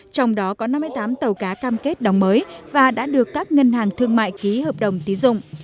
trong đó có năm mươi tám tàu cá cam kết đóng mới và đã được các ngân hàng thương mại ký hợp đồng tín dụng